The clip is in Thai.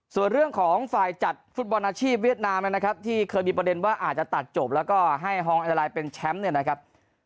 ส่วนเรื่องของฝ่ายจัดฟุตบอลอาชีพเวียดนามนะครับที่เคยมีประเด็นว่าอาจจะตัดจบแล้วก็ให้ฮองไอลายเป็นแชมป์เนี่ยนะครับ